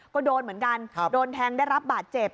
ก็โดนเหมือนกันโดนแทงได้รับบาดเจ็บ